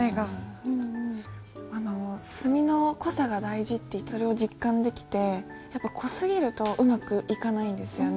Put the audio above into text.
あの墨の濃さが大事ってそれを実感できてやっぱ濃すぎるとうまくいかないんですよね。